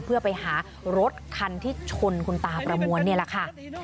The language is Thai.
เพื่อไปหารถคันที่ชนคุณตาประมวลนี่แหละค่ะ